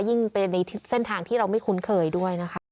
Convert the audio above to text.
ยิ่งไปในเส้นทางที่เราไม่คุ้นเคยด้วยนะคะ